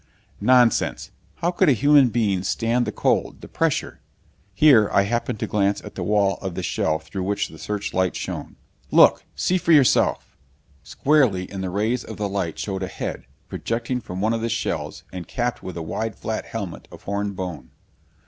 "Nonsense! How could a human being stand the cold, the pressure " Here I happened to glance at the wall of the shell through which the searchlight shone. "Look! See for yourself!" Squarely in the rays of the light showed a head, projecting from one of the shells and capped with a wide flat helmet of horned bone.